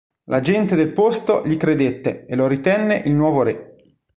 La gente del posto gli credette e lo ritenne il nuovo re.